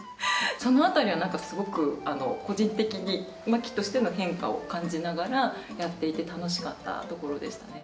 そのあたりは何かすごく個人的に真希としての変化を感じながらやっていて楽しかったところでしたね。